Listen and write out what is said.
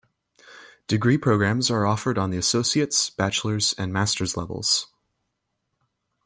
Degree programs are offered on the associate's, bachelor's, and master's levels.